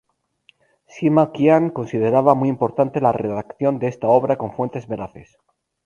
Sima Qian consideraba muy importante la redacción de esta obra con fuentes veraces.